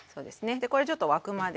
これちょっと沸くまで。